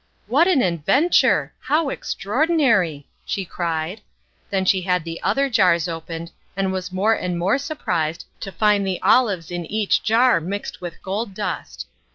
"What an adventure! how extraordinary!" she cried. Then she had the other jars opened, and was more and more surprised to find the olives in each jar mixed with gold dust.